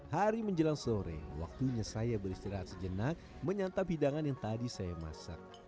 hari menjelang sore waktunya saya beristirahat sejenak menyantap hidangan yang tadi saya masak